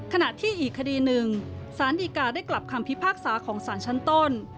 ขณะที่อีกคดีหนึ่งสารดีกาได้กลับคำพิพากษาของสารชั้นต้น